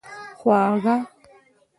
خواږه